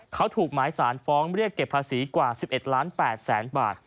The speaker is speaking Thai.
เขาถูกหมายสารฟ้องเรียกเก็บภาษีกว่า๑๑ล้าน๘แสนบาท